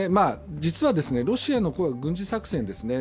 ロシアの軍事作戦ですね